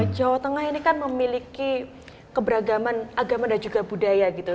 jawa tengah ini kan memiliki keberagaman agama dan juga budaya gitu